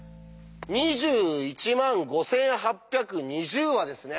２１万５８２０はですね